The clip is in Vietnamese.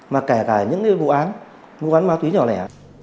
mà kể cả những vụ án vụ án ma túy nhỏ lẻ